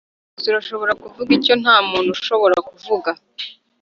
gusa urashobora kuvuga icyo ntamuntu ushobora kuvuga